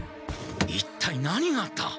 一体何があった！？